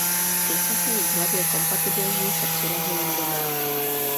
Současný vzhled je kompatibilní se přilehlým domem.